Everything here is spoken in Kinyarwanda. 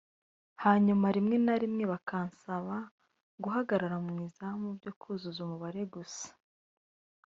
hanyuma rimwe na rimwe bakansaba guhagarara mu izamu byo kuzuza umubare gusa